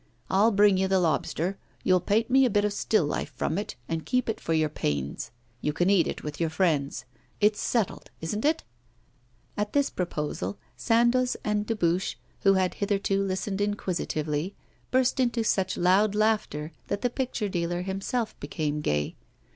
I'll bring you the lobster, you'll paint me a bit of still life from it, and keep it for your pains. You can eat it with your friends. It's settled, isn't it?' At this proposal Sandoz and Dubuche, who had hitherto listened inquisitively, burst into such loud laughter that the picture dealer himself became gay.